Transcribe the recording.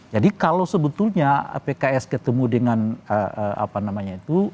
jadi kalau sebetulnya pks ketemu dengan apa namanya itu